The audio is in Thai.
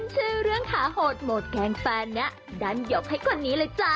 โปรดติดตามตอนต่อไป